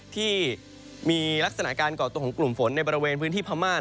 ที่มีลักษณะการก่อตัวของกลุ่มฝนในบริเวณพื้นที่พม่า